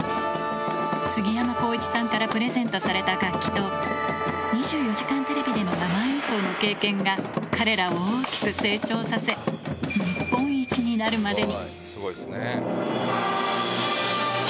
すぎやまこういちさんからプレゼントされた楽器と、２４時間テレビでの生演奏の経験が、彼らを大きく成長させ、日本一になるまでに。